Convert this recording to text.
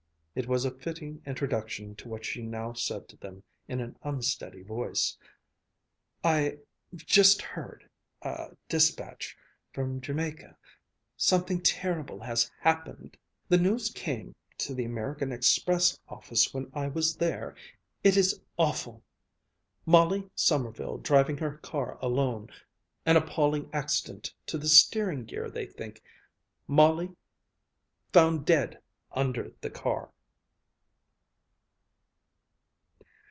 It was a fitting introduction to what she now said to them in an unsteady voice: "I've just heard a despatch from Jamiaca something terrible has happened. The news came to the American Express office when I was there. It is awful. Molly Sommerville driving her car alone an appalling accident to the steering gear, they think. Molly found dead under the car."